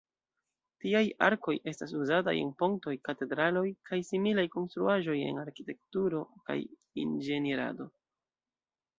Tiaj arkoj estas uzataj en pontoj, katedraloj kaj similaj konstruaĵoj en arkitekturo kaj inĝenierado.